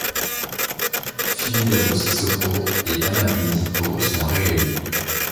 Fily Dabo Sissoko et Hammadoun Dicko sont réélus.